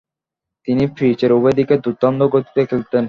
তিনি পিচের উভয় দিকে দূর্দান্ত গতিতে খেলতেন।